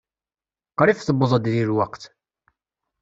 Qrib tewweḍ-d deg lweqt.